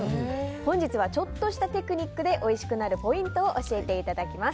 本日はちょっとしたテクニックでおいしくなるポイントを教えていただきます。